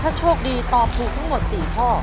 ถ้าโชคดีตอบถูกทั้งหมด๔ข้อ